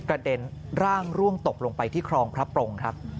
เด็นร่างร่วงตกลงไปที่ครองพระปรงครับ